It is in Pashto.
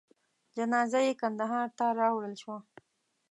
جنازه یې کندهار ته راوړل شوه.